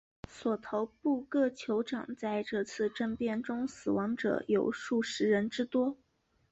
索头部各酋长在这次政变中死亡者有数十人之多。